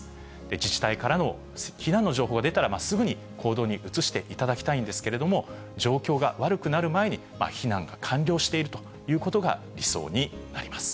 自治体からの避難の情報が出たら、すぐに行動に移していただきたいんですけれども、状況が悪くなる前に、避難が完了しているということが理想になります。